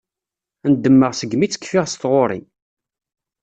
Ndemmeɣ segmi tt-kfiɣ s tɣuri.